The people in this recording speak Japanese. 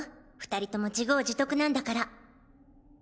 ２人とも自業自得なんだから。